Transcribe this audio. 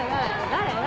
誰？